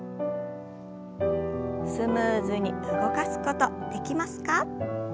スムーズに動かすことできますか？